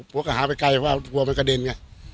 พวกก็หาไปไกลอ่าว่าพวกมันกระเด็นไง